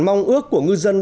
mong ước của ngư dân đóng tàu